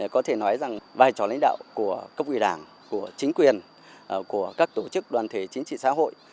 có thể nói rằng vai trò lãnh đạo của cấp ủy đảng của chính quyền của các tổ chức đoàn thể chính trị xã hội